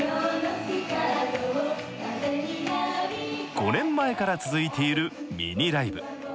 ５年前から続いているミニライブ。